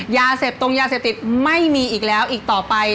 ยาเสพตรงยาเสพติดไม่มีอีกแล้วอีกต่อไป